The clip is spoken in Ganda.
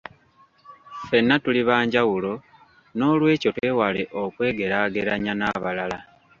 Ffenna tuli ba njawulo n'olw'ekyo twewale okwegeraageranya n'abalala.